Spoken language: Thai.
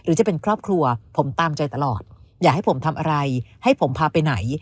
จะเป็นครอบครัวผมตามใจตลอดอย่าให้ผมทำอะไรให้ผมพาไปไหน